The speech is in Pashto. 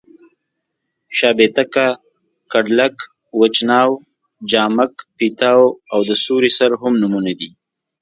شابېتکه، کډلک، وچ ناو، جامک پېتاو او د سیوري سر هم نومونه دي.